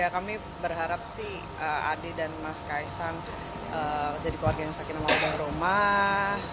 kami berharap adik dan mas kaisang jadi keluarga yang sakinah mawadah warohmah